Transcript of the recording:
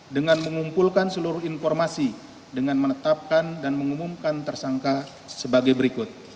dengan mengumpulkan seluruh informasi dengan menetapkan dan mengumumkan tersangka sebagai berikut